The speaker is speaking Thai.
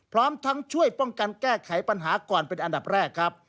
พร้อมทั้งช่วยป้องกันแก้ไขปัญหาก่อนเป็นอันดับแรกครับ